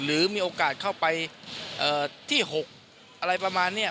หรือมีโอกาสเข้าไปที่๖อะไรประมาณนี้